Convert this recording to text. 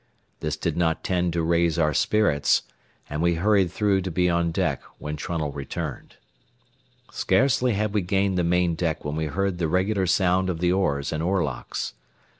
This did not tend to raise our spirits, and we hurried through to be on deck when Trunnell returned. Scarcely had we gained the main deck when we heard the regular sound of the oars and oar locks.